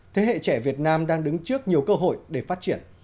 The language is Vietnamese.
thế hệ trẻ việt nam đang đứng trước nhiều cơ hội để phát triển